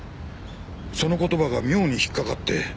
その言葉が妙に引っかかって。